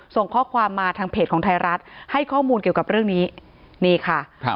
ส่งข้อความมาทางเพจของไทยรัฐให้ข้อมูลเกี่ยวกับเรื่องนี้นี่ค่ะครับ